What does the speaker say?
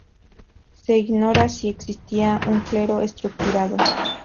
Se ignora si existía un clero estructurado.